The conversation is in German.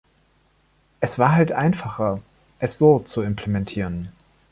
Es war halt einfacher, es so zu implementieren.